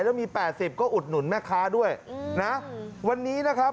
แล้วมี๘๐ก็อุดหนุนแม่ค้าด้วยนะวันนี้นะครับ